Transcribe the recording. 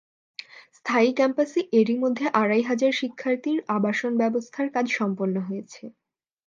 স্থায়ী ক্যাম্পাসে এরই মধ্যে আড়াই হাজার শিক্ষার্থীর আবাসনব্যবস্থার কাজ সম্পন্ন হয়েছে।